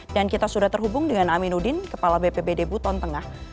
dan kita sudah terhubung dengan aminuddin kepala bpbd buton tengah